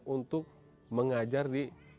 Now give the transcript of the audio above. untuk mengajar di